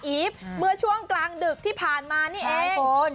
ีฟเมื่อช่วงกลางดึกที่ผ่านมานี่เอง